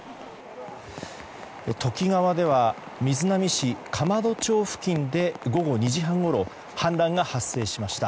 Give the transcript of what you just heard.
土岐川では瑞浪市釜戸町付近で午後２時半ごろ氾濫が発生しました。